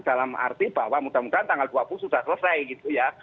dalam arti bahwa mudah mudahan tanggal dua puluh sudah selesai gitu ya